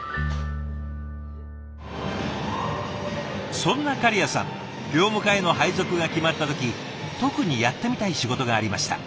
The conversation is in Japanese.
そんな狩屋さん業務課への配属が決まった時特にやってみたい仕事がありました。